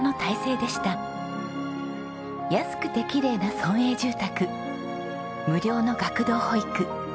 安くてきれいな村営住宅無料の学童保育。